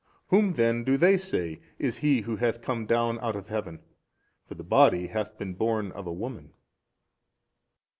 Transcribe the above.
Whom then do they say is He Who hath come down out of Heaven? for the body hath been born of a woman.